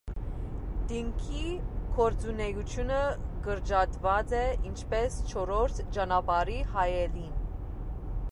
Տինքի գործունէութիւնը կրճատուած է, ինչպէս «չորրորդ ճանապարհի հայելին»։